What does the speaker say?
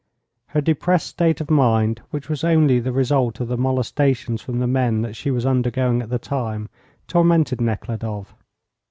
Her depressed state of mind, which was only the result of the molestations from the men that she was undergoing at the time, tormented Nekhludoff.